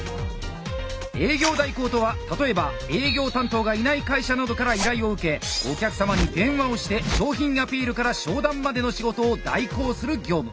営業代行とは例えば営業担当がいない会社などから依頼を受けお客さまに電話をして商品アピールから商談までの仕事を代行する業務。